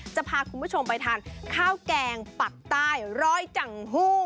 จะพาคุณผู้ชมไปทานข้าวแกงปักใต้ร้อยจังฮู้